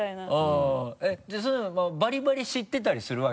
あぁじゃあバリバリ知ってたりするわけ？